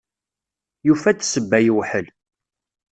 Yufa-d ssebba yewḥel.